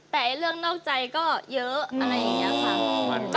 แต่เรื่องนอกใจก็เยอะอะไรอย่างนี้ค่ะ